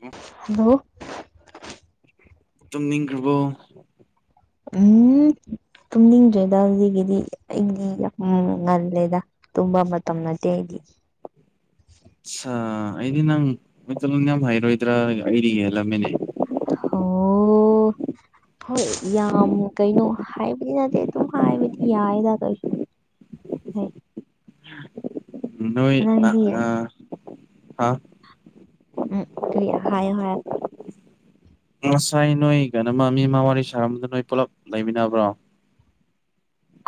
ꯍ ꯍꯜꯂꯣ ꯇꯨꯝꯅꯤꯡꯈ꯭ꯔꯕꯣ ꯎꯝ ꯇꯨꯝꯅꯤꯡꯗ꯭ꯔꯦꯗ ꯑꯗꯨꯗꯒꯤꯗꯤ ꯑꯩꯗꯤ ꯌꯥꯝ ꯉꯜꯂꯦꯗ ꯇꯨꯝꯕ ꯃꯇꯝ ꯅꯠꯇꯦ ꯑꯩꯗꯤ ꯑꯩꯗꯤ ꯅꯪ ꯌꯥꯝ ꯍꯥꯏꯔꯣꯏꯗ꯭ꯔꯥ ꯑꯩꯗꯤ ꯌꯦꯍꯂꯝꯃꯤꯅꯦ ꯑꯣ ꯍꯣꯏ ꯌꯥꯝ ꯀꯩꯅꯣ ꯍꯥꯏꯕꯗꯤ ꯅꯠꯇꯦ ꯑꯗꯨꯝ ꯍꯥꯏꯕꯗꯤ ꯌꯥꯏꯗ ꯀꯩꯁꯨ ꯍꯣꯏ ꯅꯣꯏ ꯅꯪꯗꯤ ꯑ ꯍꯥ ꯎꯝ ꯀꯔꯤꯌꯥ ꯍꯥꯏ ꯍꯥꯏ ꯉꯁꯥꯏ ꯅꯣꯏ ꯀꯩꯅꯣꯃ ꯃꯤ ꯑꯃ ꯋꯥꯔꯤ ꯁꯥꯔꯝꯕꯗ ꯅꯣꯏ ꯄꯨꯜꯂꯞ ꯂꯩꯃꯤꯟꯅꯕ꯭ꯔꯣ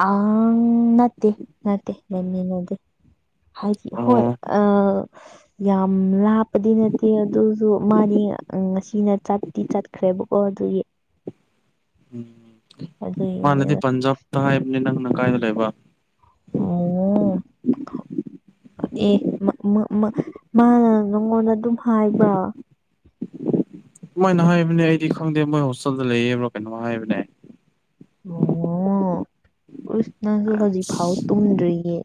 ꯑ ꯅꯠꯇꯦ ꯅꯠꯇꯦ ꯃꯤ ꯅꯗꯤꯦ ꯍꯥꯏꯗꯤ ꯍꯣꯏ ꯑꯣ ꯑ ꯌꯥꯝ ꯂꯥꯞꯄꯗꯤ ꯅꯠꯇꯦ ꯑꯗꯨꯁꯨ ꯃꯥꯅꯤ ꯉꯁꯤꯅ ꯇꯤ ꯆꯠꯈ꯭ꯔꯦꯕꯀꯣ ꯑꯗꯨꯒꯤ ꯎꯝ ꯃꯥꯅꯗꯤ ꯑꯗꯨꯒꯤꯅꯦ ꯄꯟꯖꯥꯕꯇ ꯍꯥꯏꯕꯅꯤ ꯅꯪꯅ ꯀꯥꯏꯗ ꯂꯩꯕ ꯑꯣ ꯑꯦ ꯃꯥꯅ ꯅꯉꯣꯟꯗ ꯑꯗꯨꯝ ꯍꯥꯏꯕ ꯁꯃꯥꯏꯅ ꯍꯥꯏꯕꯅꯦ ꯑꯩꯗꯤ ꯈꯪꯗꯦ ꯃꯣꯏ ꯍꯣꯁꯇꯦꯜꯗ ꯂꯩꯌꯦꯕ꯭ꯔꯥ ꯀꯩꯅꯣ ꯍꯥꯏꯕꯅꯦ ꯑꯣ ꯎꯁ ꯅꯪꯁꯨ ꯑꯁ ꯍꯧꯖꯤꯛꯐꯥꯎ ꯇꯨꯝꯗ꯭ꯔꯤꯌꯦ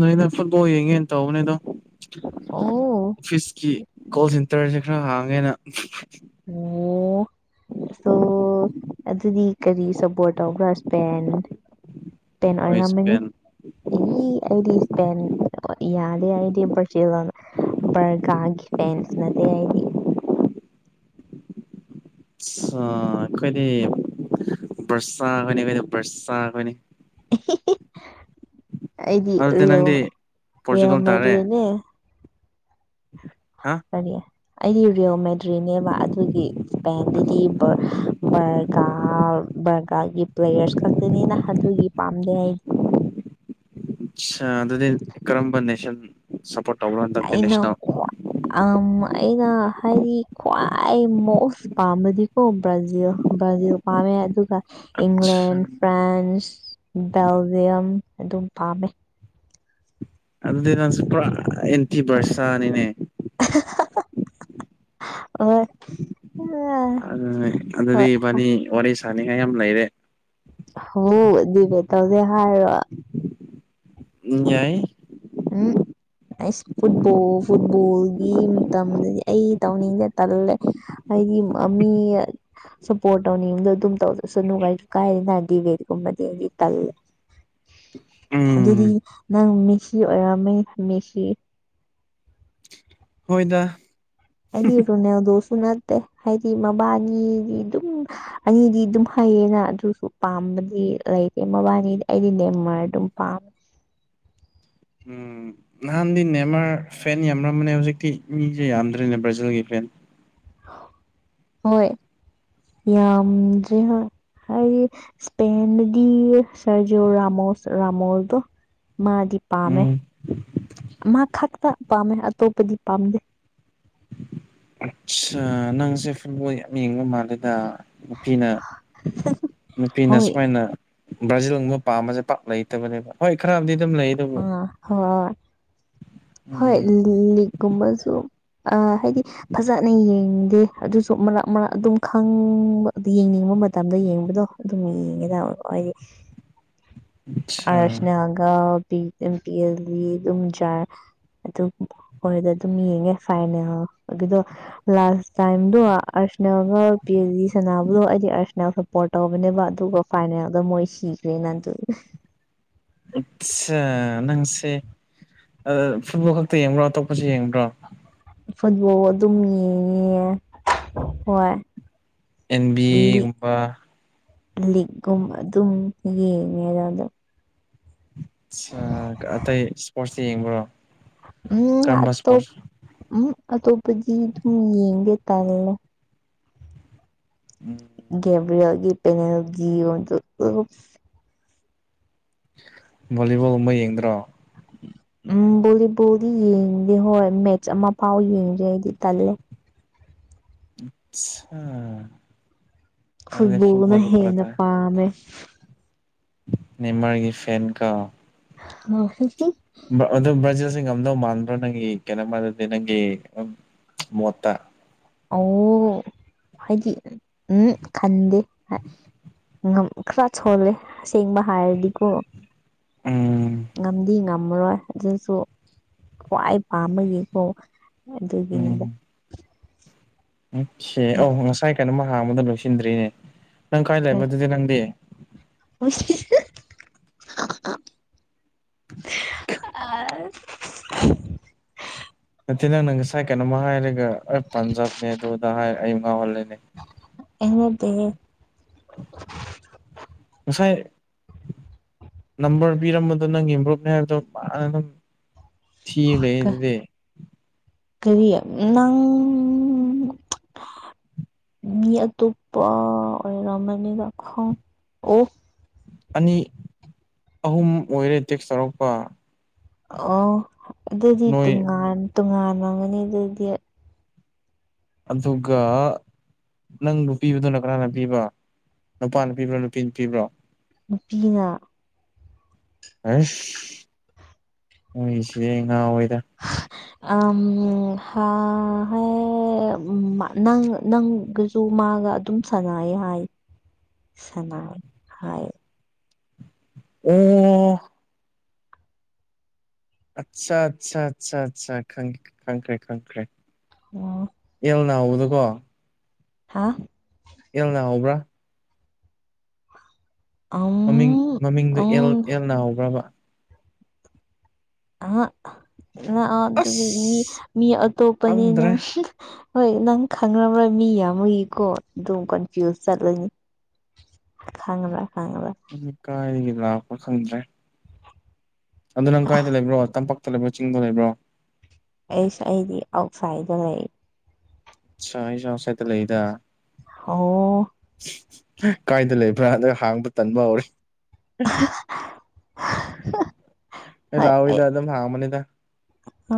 ꯅꯣꯏꯩꯅ ꯐꯨꯠꯕꯣꯜ ꯌꯦꯡꯉꯦꯅ ꯇꯧꯕꯅꯦ ꯑꯗꯣ ꯑꯣ ꯑꯣꯐꯤꯁꯀꯤ ꯀꯣꯜ ꯁꯦꯟꯇꯔꯁꯦ ꯈꯔ ꯍꯥꯡꯉꯦꯅ ꯑꯣ ꯁꯣ ꯑꯗꯨꯗꯤ ꯀꯔꯤ ꯁꯞꯄꯣꯔꯠ ꯇꯧ ꯒ꯭ꯔꯁꯄꯦꯟ ꯇꯦꯟ ꯍꯣꯏ ꯑꯣꯏꯔꯝꯃꯅꯤ ꯏꯁꯄꯦꯟ ꯑꯩꯗꯑꯩꯗꯤ ꯁꯄꯦꯟ ꯌꯥꯗꯦ ꯑꯩꯗꯤ ꯕꯔꯖꯤꯜ ꯑꯣꯏꯅ ꯕꯔꯒꯥꯒꯤ ꯐꯦꯟ ꯅꯠꯇꯦ ꯑꯩꯗꯤ ꯑꯥꯠꯁꯥ ꯑꯩꯈꯣꯏꯗꯤ ꯕꯔꯁꯥꯈꯣꯏꯅꯤ ꯑꯩꯈꯣꯏꯗꯤ ꯕꯔꯁꯥ ꯈꯈꯣꯏꯅꯤ ꯑꯩꯗꯤ ꯑꯗꯨꯗꯤ ꯔꯦꯜ ꯅꯪꯗꯤ ꯔꯦꯜ ꯄꯣꯔꯆꯨꯒꯜ ꯇꯥꯔꯦ ꯃꯦꯗ꯭ꯔꯤꯠꯅꯦ ꯍꯥ ꯀꯔꯤ ꯑꯩꯗꯤ ꯔꯦꯜ ꯃꯦꯗ꯭ꯔꯤꯠꯅꯦꯕ ꯑꯗꯨꯒꯤ ꯄꯦꯟ ꯗꯗꯤ ꯚꯥꯠ ꯕꯔꯒꯥ ꯕꯔꯒꯥꯔꯒꯤ ꯄ꯭ꯂꯦꯌꯔꯁ ꯈꯛꯇꯅꯤꯅ ꯑꯗꯨꯒꯤ ꯄꯥꯝꯗꯦ ꯑꯩ ꯑꯠꯆꯥ ꯑꯗꯨꯗꯤ ꯀꯔꯝꯕ ꯅꯦꯁꯟ ꯁꯞꯄꯣꯔꯠ ꯇꯧꯕꯅꯣ ꯍꯟꯗꯛꯇꯤ ꯅꯦꯁꯅꯦꯜ ꯑ ꯑꯩꯅ ꯍꯥꯏꯗꯤ ꯈ꯭ꯋꯥꯏ ꯃꯣꯁ ꯄꯥꯝꯕꯗꯤꯀꯣ ꯕ꯭ꯔꯥꯖꯤꯜ ꯕ꯭ꯔꯥꯖꯤꯜ ꯄꯥꯝꯃꯦ ꯑꯗꯨꯒ ꯑꯠꯆꯥ ꯏꯪꯂꯦꯟ ꯐ꯭ꯔꯥꯟꯁ ꯕꯦꯜꯖꯤꯌꯝ ꯑꯗꯨꯝ ꯄꯥꯝꯃꯦ ꯑꯗꯨꯗꯤ ꯅꯪꯁꯦ ꯄꯨꯔꯥ ꯑꯦꯟꯇꯤꯕꯔꯁꯥ ꯅꯤꯅꯦ ꯑꯣ ꯑꯗꯨꯅꯦ ꯑꯗꯨꯗꯤ ꯏꯕꯥꯅꯤ ꯋꯥꯔꯤ ꯁꯥꯅꯤꯡꯉꯥꯏ ꯌꯥꯝ ꯂꯩꯔꯦ ꯍꯣ ꯗꯤꯕꯦꯠ ꯇꯧꯁꯦ ꯍꯥꯏꯔꯣ ꯎꯝ ꯌꯥꯏꯌꯦ ꯎꯝ ꯑꯩꯁ ꯐꯨꯠꯕꯣꯜ ꯐꯨꯠꯕꯣꯜꯒꯤ ꯃꯇꯝꯗꯗꯤ ꯑꯩ ꯇꯧꯅꯤꯡꯗꯦ ꯇꯜꯂꯦ ꯑꯩꯗꯤ ꯑꯃꯃꯤꯌꯥꯠ ꯁꯞꯄꯣꯔꯠ ꯇꯧꯅꯤꯡꯕꯗꯣ ꯑꯗꯨꯝ ꯇꯧꯖꯁꯅꯨ [unintelligible] ꯀꯥꯏꯗꯅ ꯗꯤꯚꯦꯠꯀꯨꯝꯕꯗꯤ ꯑꯩꯗꯤ ꯇꯜꯂꯦ ꯎꯝ ꯑꯗꯨꯗꯤ ꯅꯪ ꯃꯦꯁꯤ ꯑꯣꯏꯔꯝꯃꯦ ꯃꯦꯁꯤ ꯍꯣꯏꯗ ꯑꯩꯗꯤ ꯔꯣꯅꯦꯜꯗꯣꯁꯨ ꯅꯠꯇꯦ ꯍꯥꯏꯗꯤ ꯃꯕꯥꯅꯤꯗꯤ ꯑꯗꯨꯝ ꯑꯅꯤꯗꯤ ꯑꯗꯨꯝ ꯍꯩꯌꯦꯅ ꯑꯗꯨꯁꯨ ꯄꯥꯝꯕꯗꯤ ꯂꯩꯇꯦ ꯃꯕꯥꯅꯤꯗꯤ ꯑꯩꯗꯤ ꯅꯦꯝꯃ꯭ꯔ ꯑꯗꯨꯝ ꯄꯥꯝꯃꯦ ꯎꯝ ꯅꯍꯥꯟꯗꯤ ꯅꯦꯝꯃ꯭ꯔ ꯐꯦꯟ ꯌꯥꯝꯔꯝꯕꯅꯦ ꯍꯧꯖꯤꯛꯇꯤ ꯃꯤꯁꯦ ꯌꯥꯝꯗꯔꯅꯦ ꯕ꯭ꯔꯥꯖꯤꯜꯒꯤ ꯐꯦꯟ ꯍꯣꯏ ꯌꯥꯝꯗ꯭ꯔꯦ ꯍꯣꯏ ꯍꯥꯏꯗꯤ ꯏꯁꯄꯦꯟꯗꯗꯤ ꯁꯔꯖꯣ ꯔꯃꯣꯁ ꯔꯃꯣꯁꯗꯣ ꯃꯥꯗꯤ ꯄꯥꯝꯃꯦ ꯎꯝ ꯃꯥ ꯈꯛꯇ ꯄꯥꯝꯃꯦ ꯑꯇꯣꯞꯄꯗꯤ ꯄꯥꯝꯗꯦ ꯑꯠꯆꯥ ꯅꯪꯁꯦ ꯐꯨꯠꯕꯣꯜ ꯌꯥꯝ ꯌꯦꯡꯕ ꯃꯥꯜꯂꯦꯗ ꯅꯨꯄꯤꯅ ꯅꯨꯄꯤꯅ ꯍꯣꯏ ꯁꯨꯃꯥꯏꯅ ꯕ꯭ꯔꯥꯖꯤꯜꯒꯨꯝꯕ ꯄꯥꯝꯕꯁꯦ ꯄꯥꯛ ꯂꯩꯇꯕꯅꯦꯕ ꯍꯣꯏ ꯈꯔ ꯑꯃꯗꯤꯗꯤ ꯑꯗꯨꯝ ꯂꯩ ꯑꯗꯨꯕꯨ ꯑꯥ ꯍꯣꯏ ꯍꯣꯏ ꯎꯝ ꯂꯤꯛꯀꯨꯝꯕꯁꯨ ꯑ ꯍꯥꯏꯗꯤ ꯐꯖꯅ ꯌꯦꯡꯗꯦ ꯑꯗꯨꯁꯨ ꯃꯔꯛ ꯃꯔꯛ ꯑꯗꯨꯝ ꯈꯪꯕ ꯌꯦꯡꯅꯤꯡꯕ ꯃꯇꯝꯗ ꯌꯦꯡꯕꯗꯣ ꯑꯗꯨꯝ ꯌꯦꯡꯉꯦꯗ ꯑꯈꫭꯏꯗꯤ ꯑꯆꯥ [unintelligible] ꯑꯗꯨꯝ ꯍꯣꯏ ꯑꯗꯥ ꯑꯗꯨꯝ ꯌꯦꯡꯉꯦ ꯐꯥꯏꯅꯦꯜꯒꯤꯗꫭ ꯂꯥꯁ ꯇꯥꯏꯝꯗꯣ ꯑꯔꯁꯅꯥꯜꯒ ꯄꯤ ꯖꯤ ꯁꯅꯕꯗꯣ ꯑꯩꯗꯤ ꯑꯔꯁꯅꯥꯜ ꯈꯠ ꯄꯣꯔꯠ ꯇꯧꯕꯅꯦꯕ ꯑꯗꯨꯒ ꯐꯥꯏꯅꯦꯜꯗ ꯃꯣꯏ ꯁꯤꯈ꯭ꯔꯦꯅ ꯑꯗꯨ ꯑꯠꯆꯥ ꯅꯪꯁꯦ ꯐꯨꯠꯕꯣꯜ ꯈꯛꯇ ꯌꯦꯡꯕ꯭ꯔꯣ ꯑꯇꯣꯞꯄꯁꯨ ꯌꯦꯡꯕ꯭ꯔꯣ ꯐꯨꯠꯕꯣꯜ ꯑꯗꯨꯝ ꯌꯦꯡꯉꯦ ꯍꯣꯏ ꯑꯦꯟ ꯕꯤ ꯑꯦꯒꯨꯝꯕ ꯂꯤꯛꯒꯨꯝꯕ ꯑꯗꯨꯝ ꯌꯦꯡꯉꯦꯗ ꯑꯗꯣ ꯑꯠꯆꯥ ꯑꯇꯩ ꯏꯁꯄꯣꯔꯠꯁꯇ ꯌꯦꯡꯕ꯭ꯔꯣ ꯎꯝ ꯀꯔꯝꯕ ꯑꯇꯣꯞ ꯏꯁꯄꯣꯔꯠꯁ ꯎꯝ ꯑꯇꯣꯞꯄꯗꯤ ꯑꯗꯨꯝ ꯌꯦꯡꯗꯦ ꯇꯜꯂꯦ ꯎꯝ ꯒꯕ꯭ꯔꯦꯌꯥꯒꯤ ꯄꯦꯅꯦꯜꯒꯤ ꯑꯣꯏꯗꯨ ꯕꯣꯂꯤꯕꯣꯜꯒꯨꯝꯕ ꯌꯦꯡꯗ꯭ꯔꯣ ꯎꯝ ꯕꯣꯂꯤ ꯕꯣꯜꯗꯤ ꯌꯦꯡꯗꯦ ꯍꯣꯏ ꯃꯦꯠꯁ ꯑꯃ ꯐꯥꯎ ꯌꯦꯡꯗꯦ ꯑꯩꯗꯤ ꯇꯜꯂꯦ ꯎꯞꯁꯥ ꯐꯨꯠꯕꯣꯜꯒꯨꯝꯕ ꯍꯦꯟꯅ ꯄꯥꯝꯃꯦ ꯅꯦꯝꯃ꯭ꯔꯒꯤ ꯐꯦꯟ ꯀꫭ ꯍꫭ ꯍꯤ ꯍꯤ ꯑꯗꯨ ꯕ꯭ꯔꯥꯖꯤꯜꯁꯦ ꯉꯝꯗꯧ ꯃꯥꯟꯕ꯭ꯔꯣ ꯅꯪꯒꯤ ꯀꯩꯅꯣꯃꯜꯗꯗꯤ ꯅꯪꯒꯤ ꯃꯣꯠꯇ ꯑꯣ [unintelligible] ꯍꯥꯏꯗꯤ ꯎꯝ ꯈꯟꯗꯦ ꯉꯝ ꯈꯔ ꯁꯣꯜꯂꯦ ꯑꯁꯦꯡꯕ ꯍꯥꯏꯔꯗꯤꯀꯣ ꯎꯝ ꯉꯝꯗꯤ ꯉꯝꯃꯔꯣꯏ ꯑꯗꯨꯁꯨ ꯈ꯭ꯋꯥꯏ ꯄꯥꯝꯕꯒꯤꯀꯣ ꯑꯗꯨꯒꯤꯅꯤꯗ ꯑꯣ ꯁꯤ ꯑꯣ ꯉꯁꯥꯏ ꯀꯩꯅꯣꯃ ꯍꯥꯡꯕꯗꯨ ꯂꯣꯏꯁꯤꯟꯗ꯭ꯔꯤꯅꯦ ꯅꯪ ꯀꯥꯏ ꯂꯩꯕꯗꯨꯗꯤ ꯅꯪꯗꯤ ꯋꯤꯁ [unintelligible] ꯅꯠꯇꯦ ꯅꯪꯅ ꯉꯁꯥꯏ ꯀꯩꯅꯣꯃ ꯍꯥꯏꯔꯒ ꯑꯩ ꯄꯥꯟꯖꯥꯕꯅꯦ ꯑꯗꯨ ꯑꯗ ꯍꯥꯏ ꯑꯩ ꯉꯥꯎꯍꯂꯦꯅꯦ ꯑꯩ ꯅꯇꯦꯍꯦ ꯉꯁꯥꯏ ꯅꯝꯕꯔ ꯄꯤꯔꯝꯕꯗꯣ ꯅꯪꯒꯤ ꯃꯔꯨꯞꯅꯦ ꯍꯥꯏꯕꯗꯣ ꯃꯥꯅ ꯑꯗꯨꯝ ꯊꯤ ꯂꯩ ꯀ ꯑꯗꯨꯗꯤ ꯀꯔꯤ ꯅꯪ ꯃꯤ ꯑꯇꯣꯞꯄꯥ ꯑꯣꯏꯔꯝꯃꯅꯤꯕ ꯈꯡ ꯑꯣ ꯑꯅꯤ ꯑꯍꯨꯝ ꯑꯣꯏꯔꯦ ꯇꯦꯛꯁ ꯇꯧꯔꯛꯄ ꯑꯣ ꯑꯗꯨꯗꯤꯥ ꯅꯣꯏ ꯇꯣꯉꯥꯟ ꯇꯣꯉꯥꯟꯂꯝꯒꯅꯤ ꯑꯗꯨꯗꯤ ꯑꯗꯨꯒ ꯅꯪ ꯕꯨꯛ ꯄꯤꯕꯗꯨꯅ ꯀꯅꯥꯅ ꯄꯤꯕ ꯅꯨꯄꯥꯅ ꯄꯤꯕ꯭ꯔ ꯅꯨꯄꯤꯅ ꯄꯤꯕ꯭ꯔꯣ ꯅꯨꯄꯤꯅ ꯑꯦꯁ ꯃꯣꯏꯁꯦ ꯉꯥꯥꯎꯋꯤꯗ [unintelligible] ꯑꯝ ꯍꯥ ꯍꯦ ꯎꯝ ꯅꯪ ꯅꯪ ꯒꯤ ꯑꯗꯨ ꯃꯥꯒ ꯑꯗꯨꯝ ꯁꯥꯟꯅꯩ ꯍꯥꯏ ꯁꯅ ꯍꯥꯏ ꯑꯣ ꯑꯁꯥ ꯑꯁꯥ ꯑꯁꯥ ꯑꯁꯥ ꯈꯪ ꯈꯪꯈ꯭ꯔꯦ ꯈꯪꯈ꯭ꯔꯦ ꯑꯣ ꯑꯦꯜ ꯅꯥꯍꯧꯕꯗꯨꯀꯣ ꯍꯥꯥ ꯑꯦꯜ ꯅꯥ ꯍꯧꯕ꯭ꯔꯥ ꯑꯥꯎ ꯃꯤꯡ ꯃꯃꯤꯡꯗꯨ ꯑꯦꯜ ꯑꯦꯜ ꯍꯧꯕ꯭ꯔꯕ ꯑꯍꯥ ꯂꯥ ꯑꯗꯨꯗꯤ ꯃꯤ ꯑꯁ ꯃꯤ ꯑꯇꯣꯞꯄꯅꯤ ꯈꯪꯗ꯭ꯔꯦ ꯅꯪ ꯍꯣꯏ ꯅꯪ ꯈꯪꯅꯕ ꯃꯤ ꯌꯥꯝꯕꯒꯤꯀꯣ ꯑꯗꯨꯝ ꯀꯟꯐ꯭ꯌꯨꯁ ꯆꯠꯂꯅꯤ ꯈꯪꯉꯔꯣꯏ ꯈꯪꯉꯔꯣꯏ ꯃꯤꯀꯥꯏꯗꯒꯤ ꯂꯥꯛꯄ꯭ꯔꯥ ꯈꯪꯗ꯭ꯔꯦ ꯑꯗꯨ ꯅꯪ ꯀꯥꯏꯗ ꯂꯩꯕ꯭ꯔꯣ ꯇꯝꯄꯥꯛꯇ ꯂꯩꯕ꯭ꯔꯣ ꯆꯤꯡꯗ ꯂꯩꯕ꯭ꯔꯣ ꯑꯩꯁ ꯑꯩꯗꯤ ꯑꯥꯎꯠꯁꯥꯏꯗ ꯂꯩ ꯁ ꯑꯩꯖꯨ ꯑꯥꯎꯁꯥꯏꯠꯇ ꯂꯩꯗ ꯍꯥꯎꯋꯣ ꯀꯥꯏꯗ ꯂꯩꯕ꯭ꯔꯥ ꯑꯗꯨ ꯍꯥꯡꯕ ꯇꯟꯕ ꯍꯧꯔꯦ ꯑꯩ ꯂꯥꯛꯑꯣꯏꯗ ꯑꯗꯨꯝ ꯍꯥꯡꯕꯅꯤꯗ ꯑ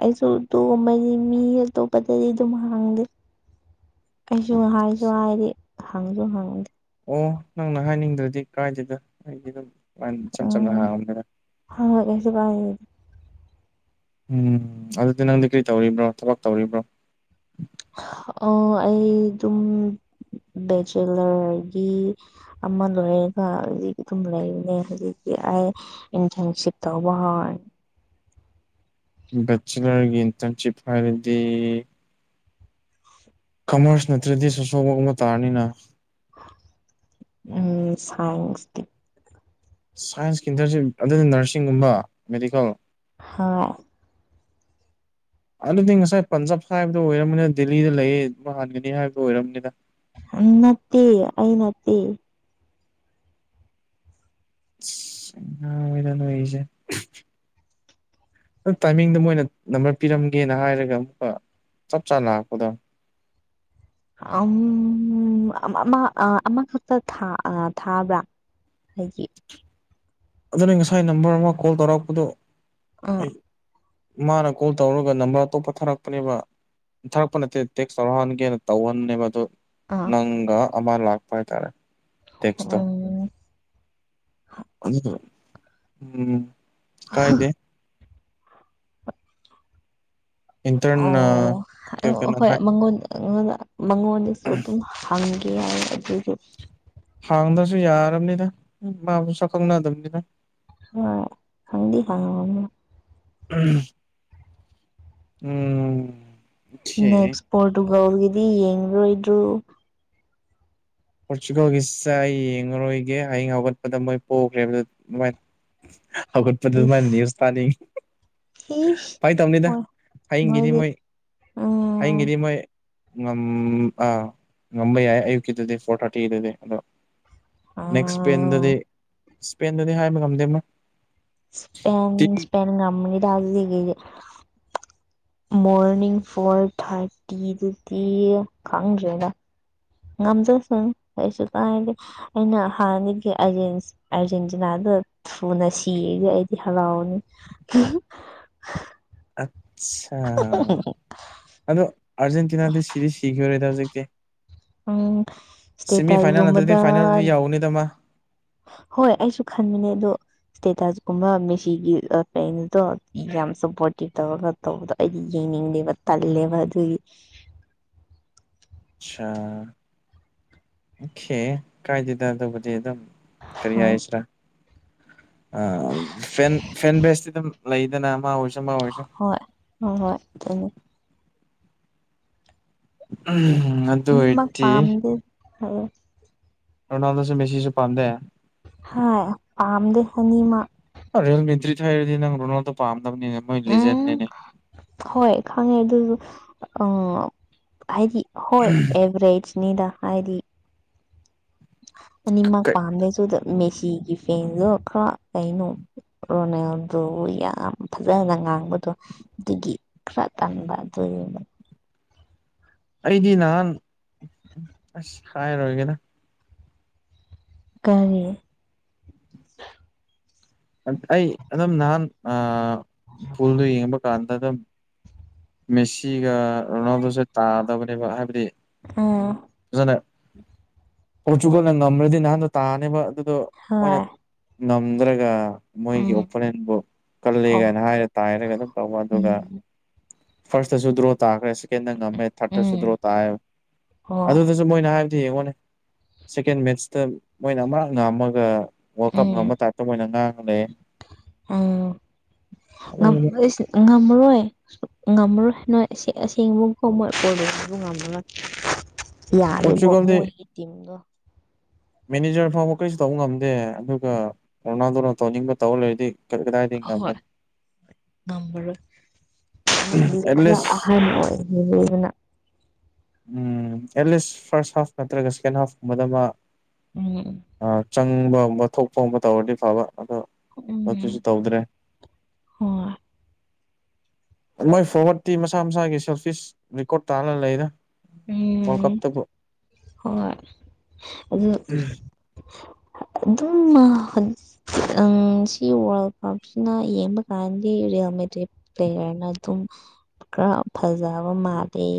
ꯑꯩꯁꯨ ꯇꯨꯒꯨꯝꯕꯅꯤ ꯃꯤ ꯑꯇꯣꯞꯄꯗꯗꯤ ꯑꯗꯨꯝ ꯍꯥꯡꯗꯦ ꯑꯩꯁꯨ ꯍꯥꯏꯁꯨ ꯍꯥꯏꯗꯤ ꯍꯪꯖꯨ ꯍꯪꯗꯦ ꯑꯣ ꯅꯪꯅ ꯍꯥꯏꯅꯤꯡꯗ꯭ꯔꯗꯤ ꯀꯥꯏꯗꯦꯗ ꯑꯩꯗꯤ ꯑꯗꯨꯝ [unintelligible] ꯏꯆꯝ ꯆꯝꯅ ꯍꯪꯉꯛꯄꯅꯤ ꯍꯪ ꯍꯣꯢ ꯀꯩꯁꯨ ꯀꯥꯢꯗꯦ ꯎꯝ ꯑꯗꯨꯗꯤ ꯅꯪꯗꯤ ꯀꯔꯤ ꯇꯧꯔꯤꯕ꯭ꯔꯣ ꯊꯕꯛ ꯇꯧꯔꯤꯕ꯭ꯔꯣ ꯑꯣ ꯑꯩ ꯑꯗꯨꯝ ꯕꯦꯆꯦꯂꯔꯒꯤ ꯑꯃ ꯂꯣꯏꯔꯒ ꯍꯧꯖꯤꯛ ꯑꯗꯨꯝ ꯂꯩꯕꯅꯦ ꯍꯧꯖꯤꯛꯇꯤ ꯑꯩ ꯏꯟꯇ꯭ꯔꯟꯁꯤꯞ ꯇꯧꯕ ꯍꯧꯔꯅꯤ ꯕꯦꯆꯦꯂꯔꯒꯤ ꯏꯟꯇ꯭ꯔꯟꯁꯤꯞ ꯍꯥꯏꯔꯗꯤ ꯀꯃ꯭ꯔꯁ ꯅꯠꯇ꯭ꯔꯗꯤ ꯁꯣꯁꯤꯌꯣꯒꯨꯝꯕ ꯇꯥꯔꯅꯤꯅ ꯎꯝ ꯁꯥꯏꯟꯁꯇꯤ ꯁꯥꯏꯟꯁꯀꯤꯗꯗꯤ ꯑꯗꯨꯗꯤ ꯅꯔꯁꯤꯡꯒꯨꯝꯕ ꯃꯦꯗꯤꯀꯦꯜ ꯍꯣꯏ ꯑꯗꯨꯗꯤ ꯉꯁꯥꯏ ꯄꯟꯖꯥꯕ ꯍꯥꯏꯕꯗꯣ ꯑꯣꯏꯔꯝꯃꯅꯤ ꯗꯦꯜꯂꯤꯗ ꯂꯩꯌꯦ [unintelligible] ꯍꯟꯒꯅꯤ ꯍꯥꯏꯕꯗꯨ ꯑꯣꯏꯔꯝꯅꯤꯗ ꯅꯠꯇꯦ ꯑꯩ ꯅꯠꯇꯦ ꯉꯥꯎꯋꯤꯗ ꯅꯣꯏꯒꯤꯖꯦ ꯇꯥꯏꯃꯤꯡꯗꯣ ꯃꯣꯏꯅ ꯅꯝꯕꯔ ꯄꯤꯔꯝꯒꯦꯅ ꯍꯥꯏꯔꯒ ꯑꯃꯨꯛꯀ ꯆꯞ ꯆꯥ ꯂꯥꯛꯄꯗꯣ [unintelligible] ꯑꯃ ꯑꯃ ꯑ ꯑꯃꯈꯛꯇ ꯊꯥ ꯊꯥꯕ꯭ꯔꯥ ꯑꯩꯒꯤ ꯑꯗꯨꯅ ꯉꯁꯥꯏ ꯅꯝꯕꯔ ꯑꯃ ꯀꯣꯜ ꯇꯧꯔꯛꯄꯗꯣ ꯑꯥ ꯑꯩ ꯏꯃꯥꯅ ꯀꯣꯜ ꯇꯧꯔꯒ ꯅꯝꯕꯔ ꯑꯇꯣꯞꯄ ꯊꯥꯔꯛꯄꯅꯦꯕ ꯊꯥꯔꯛꯄ ꯅꯠꯇꯦ ꯇꯦꯛꯁ ꯇꯧꯔꯛꯍꯟꯒꯦꯅ ꯇꯧꯍꯟꯕꯅꯦꯕ ꯑꯗꯣ ꯑꯥ ꯅꯪꯒ ꯑꯃꯥ ꯂꯥꯛꯄ ꯍꯥꯏꯇꯥꯔꯦ ꯇꯦꯛꯁꯇꯣ ꯎꯝ [inaudible] ꯎꯝ ꯀꯥꯏꯗꯦ ꯏꯟꯇꯔꯟ ꯑꯣ ꯑꯣꯀꯦ ꯑꯣꯀꯦ [inaudible] ꯅꯪ ꯑꯩꯉꯣꯟꯗ ꯃꯉꯣꯟꯗꯁꯨ ꯑꯗꯨꯝ ꯍꯪꯒꯦ ꯍꯥꯏ ꯑꯗꯨꯖꯨ ꯍꯥꯡꯗ꯭ꯔꯁꯨ ꯌꯥꯔꯕꯅꯤꯗ ꯃꯥ ꯃꯁꯛ ꯈꯪꯅꯗꯕꯅꯤꯅ [inaudible] [inaudible] ꯎꯝ ꯑꯣꯀꯦ ꯅꯦꯛꯁ ꯄꯣꯔꯇꯨꯒꯟꯒꯤꯗꯤ ꯌꯦꯡꯔꯣꯏꯗꯔꯣ ꯄꯣꯔꯇꯨꯒꯜꯒꯤꯁꯦ ꯑꯩ ꯌꯦꯡꯉꯔꯣꯏꯒꯦ ꯍꯌꯦꯡ ꯍꯧꯒꯠꯄꯗ ꯃꯣꯏ ꯄꯣꯛꯈ꯭ꯔꯦꯕ [inaudible] ꯍꯧꯒꯠꯄꯗ ꯗꯨꯃꯥꯅ ꯏꯁ ꯅ꯭ꯌꯨꯖ ꯇꯥꯅꯤꯡꯉꯤ ꯏꯁ ꯐꯥꯏ ꯇꯧꯅꯤꯗ ꯍꯣꯏ ꯍꯌꯦꯡꯒꯤꯗꯤ ꯅꯣꯏꯗꯤ ꯃꯣꯏ ꯎꯝ ꯍꯌꯦꯡꯒꯤꯗꯤ ꯃꯣꯏ ꯉꯝ ꯑꯥ ꯉꯝꯕꯥ ꯌꯥꯏ ꯑꯌꯨꯛꯀꯤꯗꯨꯗꯤ ꯐꯣꯔ ꯊꯥꯔꯇꯤꯗꯨꯗꯤ ꯑꯗꯣ ꯅꯦꯛꯁ ꯏꯁꯄꯦꯟꯗꯗꯤ ꯎꯝ ꯏꯁꯄꯦꯟꯗꯗꯤ ꯍꯥꯏꯕ ꯉꯝꯗꯦ ꯢꯁꯄꯦꯟ ꯇꯤꯝ ꯢꯁꯄꯦꯟ ꯉꯝꯅꯤꯗ [inaudible] ꯃꯣꯔꯅꯤꯡ ꯐꯣꯔ ꯊꯥꯔꯇꯤꯗꯨꯗꯤ ꯈꯪꯗ꯭ꯔꯦꯗ ꯉꯝꯖꯁꯅꯨ ꯀꯩꯁꯨ ꯀꯥꯏꯗꯦ ꯑꯩꯅ ꯍꯥꯟꯅꯒꯤ ꯑꯔꯖꯦꯟꯇꯅꯥꯗꯨ ꯊꯨꯅ ꯁꯤꯌꯦꯒ ꯑꯩꯗꯤ ꯍꯔꯥꯎꯅꯤ ꯑꯠꯁꯥ ꯑꯗꯣ ꯑꯔꯖꯦꯟꯇꯤꯟꯗꯤ ꯁꯤꯗꯤ ꯁꯤꯈꯤꯔꯦꯗ ꯍꯧꯖꯤꯛꯇꯤ ꯎꯝ ꯁꯇꯦ ꯁꯦꯃꯤ ꯐꯥꯏꯅꯦꯜ ꯅꯠꯇ꯭ꯔꯗꯤ ꯇꯜꯒꯝꯕꯗ ꯐꯥꯏꯅꯦꯜꯗꯤ ꯌꯧꯅꯤꯗ ꯃꯥ ꯍꯣꯏ ꯑꯩꯁꯨ ꯈꯟꯕꯅꯦ ꯑꯗꯣ ꯏꯁꯇꯦꯇꯖꯀꯨꯝꯕ ꯃꯦꯁꯤꯒꯤ [inaudible] ꯌꯥꯝ ꯁꯞꯄꯣꯔꯇꯤ ꯇꯧꯔꯒ ꯇꯧꯕꯗꯣ ꯑꯩꯗꯤ ꯌꯦꯡꯅꯤꯡꯗꯦꯕ ꯇꯜꯂꯦꯕ ꯑꯗꯨꯒꯤ ꯁꯥ ꯑꯣꯈꯦ ꯀꯥꯏꯗꯦꯗ ꯑꯗꯨꯕꯨꯗꯤ ꯑꯗꯨꯝ ꯀꯔꯤ ꯍꯣꯏ ꯍꯥꯏꯁ꯭ꯔꯥ ꯑꯥ ꯐꯦꯟ ꯐꯦꯟ ꯕꯦꯁꯇꯤ ꯑꯗꯨꯝ ꯂꯩꯗꯅ ꯑꯃ ꯑꯣꯏ ꯍꯣꯏ ꯑꯣꯍꯣꯏ ꯎꯝ ꯑꯅꯤꯃꯛ ꯄꯥꯝꯗꯦ ꯔꯣꯅꯥꯜꯗꯣꯁꯨ ꯃꯦꯁꯤꯁꯨ ꯄꯥꯝꯗꯦ ꯍꯣꯏ ꯄꯥꯝꯗꯦ ꯑꯅꯤꯃꯛ ꯔꯤꯌꯦꯜ ꯃꯤꯇ꯭ꯔꯤ ꯍꯥꯏꯔꯗꯤ ꯅꯪ ꯔꯣꯅꯥꯜꯗꯣ ꯄꯥꯝꯗꯕꯅꯤꯅꯦ ꯃꯣꯏ ꯎꯝ ꯂꯦꯖꯦꯟꯅꯤꯅꯦ ꯍꯣꯏ ꯈꯪꯉꯦ ꯑꯗꯨꯁꯨ ꯑꯥ ꯍꯥꯏꯗꯤ ꯍꯣꯏ ꯑꯦꯚꯔꯦꯖꯅꯤꯗ ꯍꯥꯏꯗꯤ ꯑꯅꯤꯃꯛ ꯀꯩ ꯄꯥꯝꯗꯁꯨꯗ ꯃꯦꯁꯤꯒꯤ ꯐꯦꯟꯗꯣ ꯈꯔ ꯀꯩꯅꯣ ꯔꯣꯅꯦꯜꯗꯣ ꯌꯥꯝ ꯐꯖꯅ ꯉꯥꯡꯕꯗꯣ ꯑꯗꯨꯒꯤ ꯈꯔꯥ ꯇꯥꯟꯕ ꯑꯗꯨ ꯑꯩꯗꯤ ꯅꯍꯥꯟ ꯑꯁ ꯍꯥꯏꯔꯣꯏꯒꯦꯗ ꯀꯔꯤ ꯑꯩ ꯑꯗꯨꯝ ꯅꯍꯥꯟ ꯑꯥ ꯐꯨꯜꯗꯣ ꯌꯦꯡꯕ ꯀꯥꯟꯗ ꯑꯗꯨꯝ ꯃꯦꯁꯤꯒ ꯔꯣꯅꯥꯜꯗꯣꯁꯦ ꯇꯥꯗꯕꯅꯦꯕ ꯍꯥꯏꯕꯗꯤ ꯎꯝ [inaudible] ꯄꯣꯔꯆꯨꯒꯜꯅ ꯉꯝꯃ꯭ꯔꯗꯤ ꯅꯍꯥꯟꯗꯣ ꯇꯥꯅꯦꯕ ꯑꯗꯨꯗꯣ ꯃꯣꯏꯅ ꯍꯣꯏ ꯉꯝꯗ꯭ꯔꯒ ꯃꯣꯏꯒꯤ ꯎꯝ ꯑꯣꯄꯣꯅꯦꯟꯕꯨ ꯀꯜꯂꯦꯒꯥꯏ ꯑꯣ ꯍꯥꯏꯔ ꯇꯥꯏꯔꯒ ꯑꯗꯨꯝ ꯇꯧꯕ ꯑꯗꯨꯒ ꯎꯝ ꯐꯥꯔꯁꯇꯁꯨ ꯗ꯭ꯔꯣ ꯇꯥꯈ꯭ꯔꯦ ꯁꯦꯀꯦꯟꯗ ꯉꯝꯃꯦ ꯊꯥꯔꯗꯠꯇꯁꯨ ꯎꯝ ꯗ꯭ꯔꯣ ꯇꯥꯑ ꯍꯣꯏ ꯑꯗꯨꯗ ꯃꯣꯏꯅ ꯍꯥꯏꯕꯗꯣ ꯌꯦꯡꯉꯣꯅꯦ ꯁꯦꯀꯦꯟ ꯃꯦꯠꯁꯇ ꯃꯣꯏꯅ ꯑꯃꯥꯔꯛ ꯉꯝꯃꯒ ꯋꯥꯀꯞ ꯎꯝ ꯉꯝꯕ ꯇꯥꯏꯇ ꯃꯣꯏꯅ ꯉꯥꯡꯉ ꯂꯩ [inaudible] ꯎꯝ ꯉꯝ ꯏꯁ ꯉꯝꯃꯔꯣꯏ ꯉꯝꯃꯔꯣꯏ ꯅꯣꯏ ꯑꯁꯦꯡꯕꯈꯣꯡ ꯃꯣꯏ ꯀꯣꯏꯕꯨ ꯉꯝꯃꯔꯣꯏ ꯌꯥꯔꯦꯕꯣ ꯄꯣꯔꯆꯨꯒꯜꯗꯤ ꯃꯣꯏꯒꯤ ꯇꯤꯝꯗꯣ ꯃꯦꯅꯦꯖꯔ ꯐꯥꯎꯕ ꯀꯩꯁꯨ ꯇꯧꯕ ꯉꯝꯗꯦ ꯑꯗꯨꯒ ꯀꯣꯅꯥꯗꯨꯅ ꯇꯧꯅꯤꯡꯕ ꯇꯧ ꯂꯩꯔꯗꯤ ꯀꯗꯥꯏꯗꯤ ꯑꯍꯣꯏ ꯉꯝꯃꯅꯤ ꯈꯔ ꯑꯦꯠꯂꯤꯁ ꯑꯍꯟ ꯑꯣꯏꯗꯅ ꯎꯝ ꯑꯦꯠꯂꯤꯁ ꯐꯥꯔꯁꯠ ꯍꯥꯐ ꯅꯠꯇ꯭ꯔꯒ ꯁꯦꯀꯦꯟ ꯍꯥꯐꯀꯨꯝꯕꯗ ꯃꯥ ꯎꯝ ꯆꯪꯕꯒꯨꯝꯕ ꯊꯣꯛꯄꯒꯨꯝꯕ ꯇꯧꯔꯗꯤ ꯐꯕ ꯑꯗꯣ ꯑꯗꯨꯁꯨ ꯎꯝ ꯇꯧꯗ꯭ꯔꯦ ꯍꯣꯏ ꯃꯣꯏ ꯐꯣꯔꯋꯥꯠꯇꯤ ꯃꯁꯥ ꯃꯁꯥꯒꯤ ꯁꯦꯜꯐ ꯔꯦꯀꯣꯔꯠ ꯇꯥꯅ ꯂꯩꯔ ꯎꯝ ꯍꯣꯏ ꯑꯗꯨ ꯑꯗꯨ ꯑꯗꯨꯝ ꯃꯥ ꯪ ꯁꯤ ꯋꯥꯔꯜ ꯀꯞꯁꯤꯅ ꯌꯦꯡꯕ ꯀꯥꯟꯗꯤ ꯔꯤꯌꯦꯜꯃꯤ ꯇꯔꯤꯞ ꯀꯔꯅ ꯑꯗꯨꯝ ꯈꯔ ꯐꯖꯕ ꯃꯥꯜꯂꯦ